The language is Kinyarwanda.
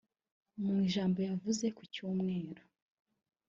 Mu ijambo yavuze ku Cyumweru